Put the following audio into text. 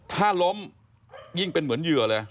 ถ้าล้มยิ่งเป็นเหมือนเหยื่อเลย